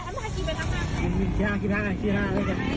ทางอะไรทางห้าง